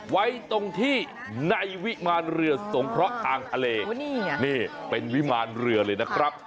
ไว้ตรงที่ในวิมารเรือสงเคราะห์ทางทะเลนี่เป็นวิมารเรือเลยนะครับ